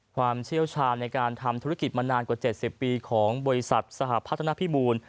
ความเชี่ยวชาญในการทำธุรกิจมานานกว่าเจ็ดสิบปีของบริษัทสหภัทรณะพิมูล